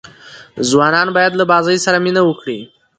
ځوانان باید له بازۍ سره مینه وکړي.